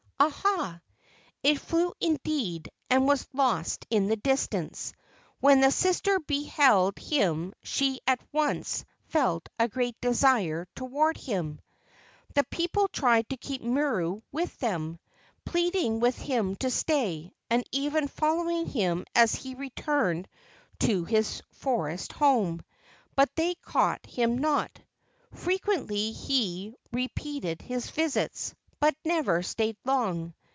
Aha! it flew indeed and was lost in the distance. When the sister beheld him she at once felt a great desire toward him. THE DECEIVING OF KEWA 243 The people tried to keep Miru with them, pleading with him to stay, and even following him as he returned to his forest home, but they caught him not. Frequently he re¬ peated his visits, but never stayed long.